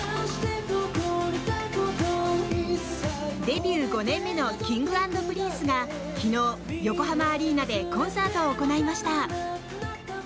デビュー５年目のＫｉｎｇ＆Ｐｒｉｎｃｅが昨日、横浜アリーナでコンサートを行いました。